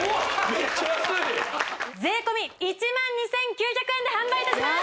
めっちゃ安い税込１万２９００円で販売いたします